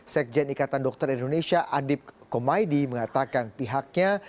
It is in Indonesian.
sekjen ikatan dokter indonesia adip komaidi mengatakan pihaknya